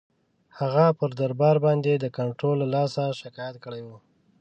هغه پر دربار باندي د کنټرول له لاسه شکایت کړی وو.